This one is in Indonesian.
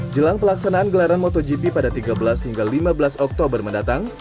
jelang pelaksanaan gelaran motogp pada tiga belas hingga lima belas oktober mendatang